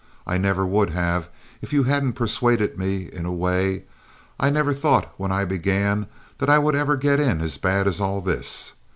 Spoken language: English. I never would have if you hadn't persuaded me, in a way. I never thought when I began that I would ever get in as bad as all this.